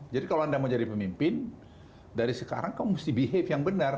jadi kalau anda mau jadi pemimpin dari sekarang kamu harus behave yang benar